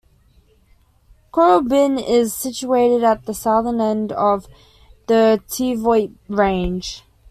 Kooralbyn is situated at the southern end of the Teviot Range.